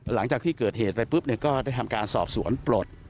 หลังจากที่เกิดเหตุไปปุ๊บก็ได้ทำการสอบสวนปลด